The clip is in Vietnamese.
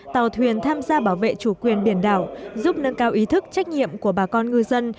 tàu thuyền tham gia bảo vệ chủ quyền biển đảo giúp nâng cao ý thức trách nhiệm của bà con ngư dân